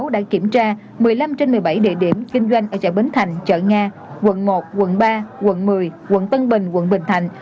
đã kiểm tra một mươi năm trên một mươi bảy địa điểm kinh doanh ở chợ bến thành chợ nga quận một quận ba quận một mươi quận tân bình quận bình thạnh